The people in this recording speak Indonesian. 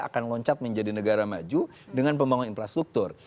akan loncat menjadi negara maju dengan pembangunan infrastruktur